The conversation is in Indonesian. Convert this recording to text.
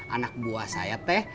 anak buah saya teh